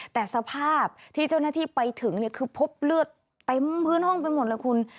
แต่สภาพที่เจ้าหน้าที่ไปถึงเนี่ยคือพบเลือดเต็มพื้นห้องไปหมดเลยคุณ